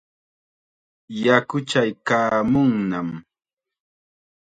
Yaku chaykaamunnam.